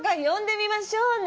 呼んでみましょう。